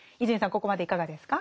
ここまでいかがですか？